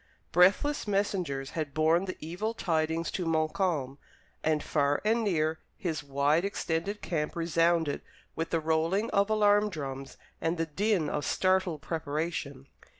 Breathless messengers had borne the evil tidings to Montcalm, and far and near his wide extended camp resounded with the rolling of alarm drums and the din of startled preparation.